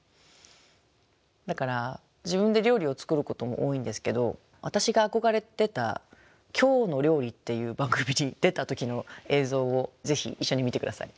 だから自分で料理を作ることも多いんですけど私が憧れてた「きょうの料理」っていう番組に出た時の映像をぜひ一緒に見て下さい。